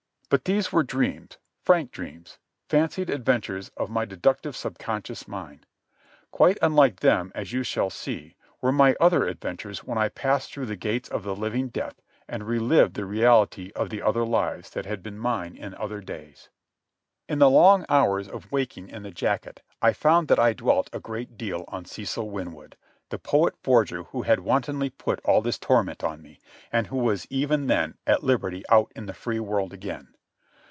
But these were dreams, frank dreams, fancied adventures of my deductive subconscious mind. Quite unlike them, as you shall see, were my other adventures when I passed through the gates of the living death and relived the reality of the other lives that had been mine in other days. In the long hours of waking in the jacket I found that I dwelt a great deal on Cecil Winwood, the poet forger who had wantonly put all this torment on me, and who was even then at liberty out in the free world again.